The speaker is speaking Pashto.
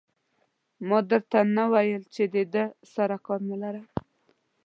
ما در ته نه ویل چې دې سره کار مه لره.